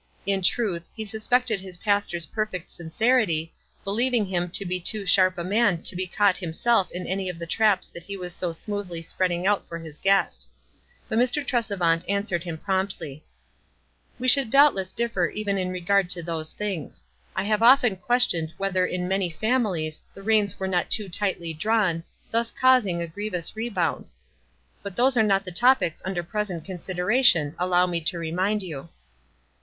In truth, he sus pected his pastor's perfect sincerity, believing him to be too sharp a man to be caught himself in any of the traps that he was so smoothly spreading out for his guest; but Mr. Tresevant answered him promptly :—" We should doubtless differ even in regard to those things. I have often questioned whether in many families the reins were not too tightly drawn, thus causing a grievous rebound. But those are not the topics under present consider ation, allow me to remind you."